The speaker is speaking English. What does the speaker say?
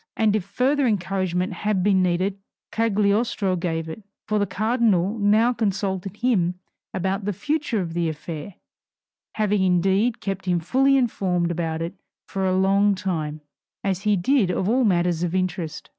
And if further encouragement had been needed, Cagliostro gave it. For the cardinal now consulted him about the future of the affair, having indeed kept him fully informed about it for a long time, as he did of all matters of interest.